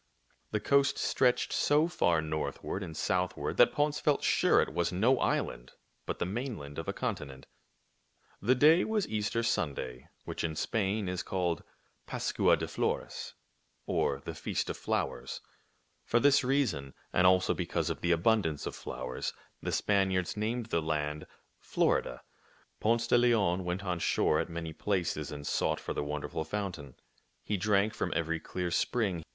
The coast stretched so far northward and southward that Ponce felt sure it was no island but the mainland of a continent. The day was Easter Sunday, which in Spain is called Pascua de Flores, or the Feast of Flowers. For this reason, and also because of the abundance of flowers, the Spaniards named the land Florida. Ponce de Leon went on shore at many places and sought for the wonderful fountain. He drank from every clear spring.